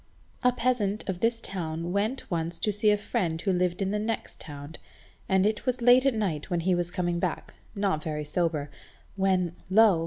A peasant of this town went once to see a friend who lived in the next town, and it was late at night when he was coming back, not very sober, when, lo!